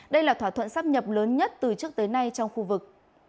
đây là thỏa thuận sắp nhập lớn nhất từ trước tới nay trong khu vực